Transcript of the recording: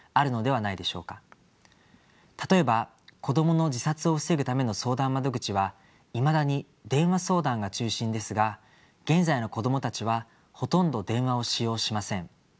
例えば子どもの自殺を防ぐための相談窓口はいまだに電話相談が中心ですが現在の子どもたちはほとんど電話を使用しません。